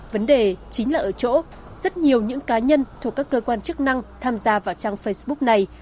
vấn đề chính là ở chỗ rất nhiều những cá nhân thuộc các cơ quan chức năng tham gia vào trang facebook này